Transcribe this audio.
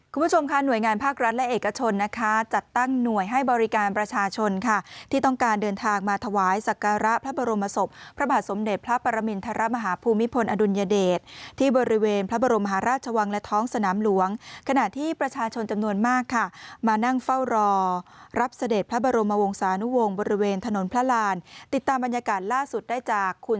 คุณผู้ชมค่ะหน่วยงานภาครัฐและเอกชนนะคะจัดตั้งหน่วยให้บริการประชาชนค่ะที่ต้องการเดินทางมาถวายสักการะพระบรมศพพระบาทสมเด็จพระปรมินทรมาฮภูมิพลอดุลยเดชที่บริเวณพระบรมหาราชวังและท้องสนามหลวงขณะที่ประชาชนจำนวนมากค่ะมานั่งเฝ้ารอรับเสด็จพระบรมวงศานุวงศ์บริเวณถนนพระรานติดตามบรรยากาศล่าสุดได้จากคุณ